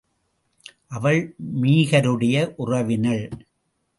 அவள் மீகருடைய உறவினள்.